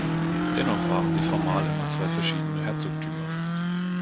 Dennoch waren sie formal immer zwei verschiedene Herzogtümer.